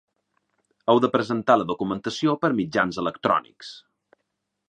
Heu de presentar la documentació per mitjans electrònics.